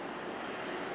mẫu thuần trong án nhậu